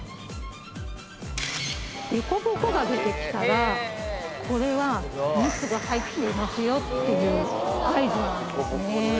凸凹が出てきたらこれは蜜が入ってますよっていう合図なんですね。